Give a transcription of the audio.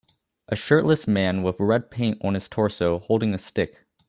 A shirtless man with red paint on his torso holding a stick